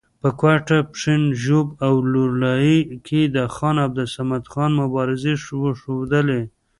په کوټه، پښین، ژوب او لور لایي کې د خان عبدالصمد خان مبارزې وښودلې.